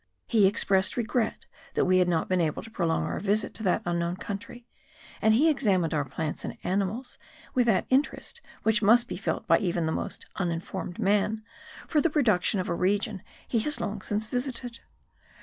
He expressed regret that we had not been able to prolong our visit to that unknown country; and he examined our plants and animals with that interest which must be felt by even the most uninformed man for the productions of a region he has long since visited.